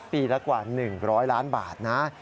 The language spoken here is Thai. ปีละกว่า๑๐๐ล้านบาทนะ